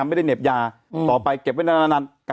มันแบบเยอะมากมาย